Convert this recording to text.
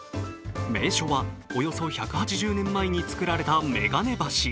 名所はおよそ１８０年前に造られた眼鏡橋。